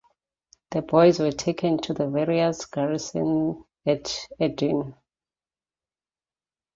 The boys were taken to the various garrisons at Edirne.